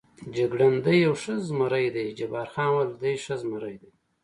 جګړن: دی یو ښه زمري دی، جبار خان وویل: دی ښه زمري دی.